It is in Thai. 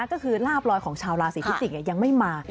ก็คือลาบลอยของชาวราศีพิจิกษ์ยังไม่มา